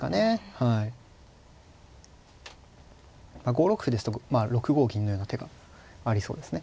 ５六歩ですと６五銀のような手がありそうですね。